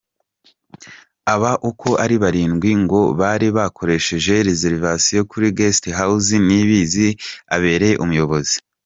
Aba uko ari barindwi ngo bari bakoresheje reservation kuri Guest House Niyibizi abereye umuyobozi.